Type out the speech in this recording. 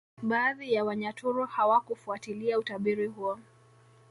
Baadhi ya Wanyaturu hawakufuatilia utabiri huo